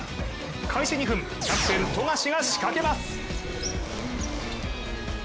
開始２分、キャプテン・富樫が仕掛けます。